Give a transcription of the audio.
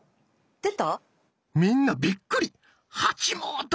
出た。